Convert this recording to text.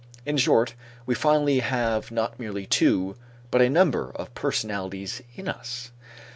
In short, we finally have not merely two but a number of personalities in us.